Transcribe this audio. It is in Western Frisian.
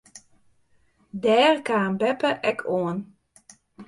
Dêr kaam beppe ek oan.